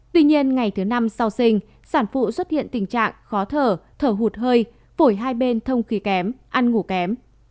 tuy nhiên ngày thứ năm sau sinh sản phụ xuất hiện tình trạng khó thở thở hụt hơi phổi hai bên thông khí kém ăn ngủ kém